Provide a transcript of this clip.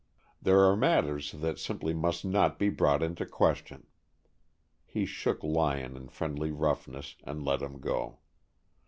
There are matters that simply must not be brought into question." He shook Lyon in friendly roughness and let him go.